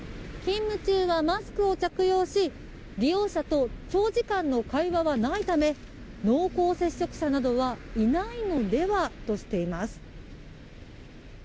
勤務中はマスクを着用し利用者と長時間の会話はないため濃厚接触者などはいないのではとしています。